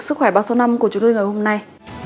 sức khỏe ba trăm sáu mươi năm của chúng tôi ngày hôm nay